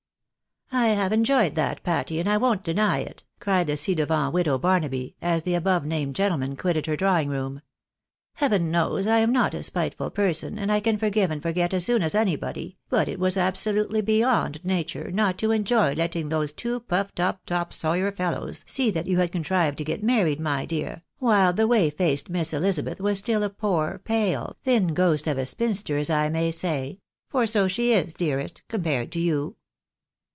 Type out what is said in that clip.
"I HAVE enjoyed that, Patty, and I won't deny it," cried the ci devant widow Barnaby, as the above named gentlemen quitted her drawing room. " Heaven knows I am not a spiteful person, and I can forgive and forget as soon as anybody, but it was abso lutely beyond nature not to enjoy letting those two puffed up top sawyer fellows see that you had contrived to get married, my dear, ■while the whey faced Miss Elizabeth was still a poor, pale, thin ghost of a spinster, as I may say — for so she is, dearest, compared to you."